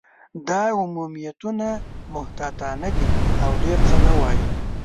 دا عمومیتونه محتاطانه دي، او ډېر څه نه وايي.